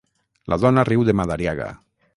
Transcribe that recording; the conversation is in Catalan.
La dona riu de Madariaga.